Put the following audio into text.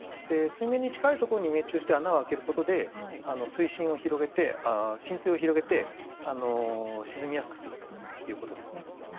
水面に近いところに命中して穴を開けることで浸水を広げて沈みやすくするということですね。